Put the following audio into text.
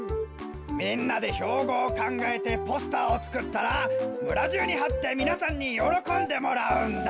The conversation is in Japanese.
みんなでひょうごをかんがえてポスターをつくったらむらじゅうにはってみなさんによろこんでもらうんだ。